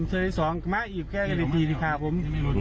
ชื่อสองมาอีกแค่กินด้วยดีติดิค่ะผม